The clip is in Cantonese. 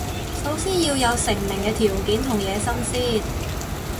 首先要有成名嘅條件同野心先